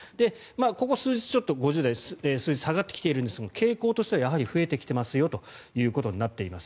ここ数日、ちょっと５０代の数字が下がってきていますが傾向としてやはり増えてきていますよということになっています。